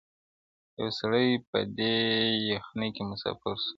یو سړی په دې یخنۍ کي مسافر سو.